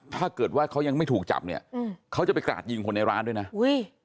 ถ้าเกิดว่าเขายังไม่ถูกจับเนี่ยอืมเขาจะไปกราดยิงคนในร้านด้วยนะอุ้ย